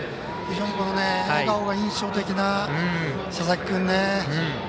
非常に笑顔が印象的な佐々木君ね。